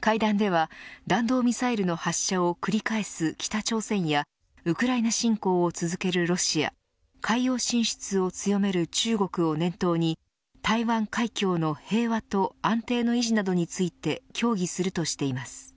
会談では弾道ミサイルの発射を繰り返す北朝鮮やウクライナ侵攻を続けるロシア海洋進出を強める中国を念頭に台湾海峡の平和と安定の維持などについて協議するとしています。